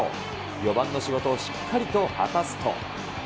４番の仕事をしっかりと果たすと。